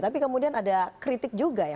tapi kemudian ada kritik juga ya